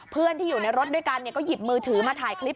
เพื่อนที่อยู่ในรถด้วยกันก็หยิบมือถือมาถ่ายคลิป